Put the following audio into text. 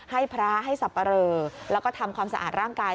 ให้พระให้สับปะเรอแล้วก็ทำความสะอาดร่างกาย